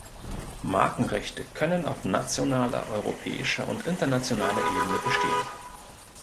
Markenrechte können auf nationaler, europäischer und internationaler Ebene bestehen.